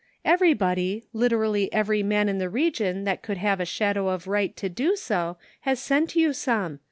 Everybody, literally every man in the region that could have a shadow of right to do so, has sent you some.